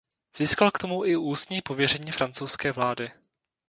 Získal k tomu i ústní pověření francouzské vlády.